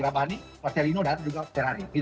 ramani marcelino dan juga ferrari